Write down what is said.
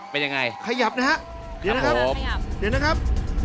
เป็นยังไงขยับนะฮะเดี๋ยวนะครับขยับเดี๋ยวนะครับ